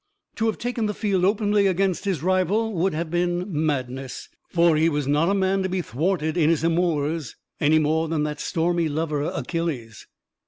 To have taken the field openly against his rival would have been madness; for he was not a man to be thwarted in his amours, any more than that stormy lover, Achilles.